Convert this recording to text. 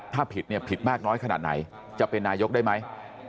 ถ้าผิดเนี่ยผิดมากน้อยขนาดไหนจะเป็นนายกได้ไหม